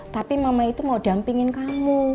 tapi mama itu mau dampingin kamu